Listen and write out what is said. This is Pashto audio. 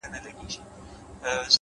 پوه انسان له اختلافه زده کړه کوي’